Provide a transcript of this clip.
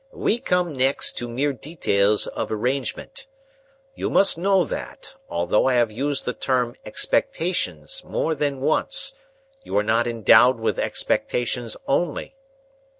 "We come next, to mere details of arrangement. You must know that, although I have used the term 'expectations' more than once, you are not endowed with expectations only.